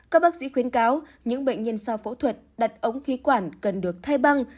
các bác sĩ khuyến cáo những bệnh nhân sau phẫu thuật đặt ống khí quản cần được thay băng